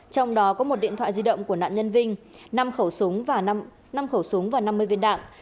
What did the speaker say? trong đó có một điện thoại di động của nạn nhân vinh năm khẩu súng và năm mươi viên đạn